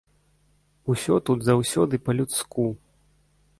Усё тут заўсёды па-людску.